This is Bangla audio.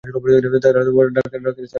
তারা ডাক্তারের সার্টিফিকেট মেনে নিয়েছে।